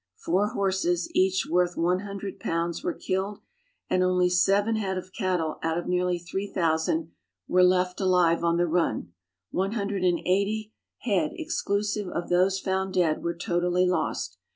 Four horses, each worth 100, were killed, and only seven head of cattle, out of nearly 3,000, were left alive on the run. One hundred and eighty head exclusive of those found dead were totally lost.